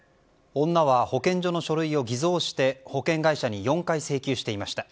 女は保健所の書類を偽造して保険会社に４回請求していました。